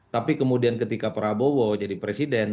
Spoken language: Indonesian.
tapi kemudian ketika prabowo jadi presiden